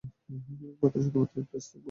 বেতন শুধুমাত্র একটি স্তর পর্যন্ত গুরুত্বপূর্ণ।